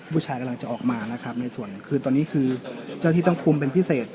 ผู้ชายกำลังจะออกมานะครับในส่วนคือตอนนี้คือเจ้าที่ต้องคุมเป็นพิเศษ